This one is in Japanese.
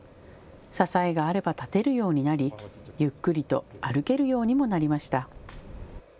支えがあれば立てるようになりゆっくりと歩けるようにもなりました。